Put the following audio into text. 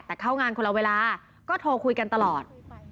แต่เข้างานคนละเวลาก็โทรคุยกันตลอด